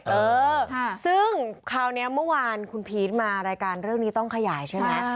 เออซึ่งคราวนี้เมื่อวานคุณพีชมารายการเรื่องนี้ต้องขยายใช่ไหม